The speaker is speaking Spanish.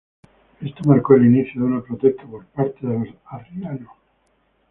Esto marcó el inicio de una protesta por parte de los arrianos.